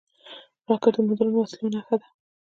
راکټ د مدرنو وسلو نښه ده